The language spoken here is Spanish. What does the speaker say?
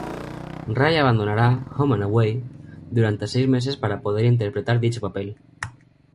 Ray abandonará "Home and Away" durante seis meses para poder interpretar dicho papel.